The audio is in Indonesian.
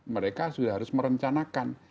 mereka sudah harus merencanakan